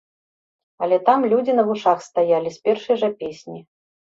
Але там людзі на вушах стаялі з першай жа песні.